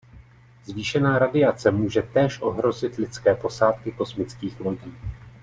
Zvýšená radiace může též ohrozit lidské posádky kosmických lodí.